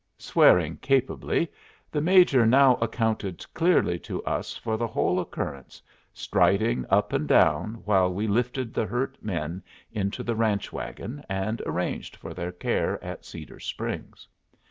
Swearing capably, the Major now accounted clearly to us for the whole occurrence, striding up and down, while we lifted the hurt men into the ranch wagon, and arranged for their care at Cedar Springs.